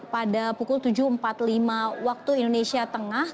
pada pukul tujuh empat puluh lima waktu indonesia tengah